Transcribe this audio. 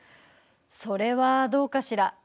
それはどうかしら。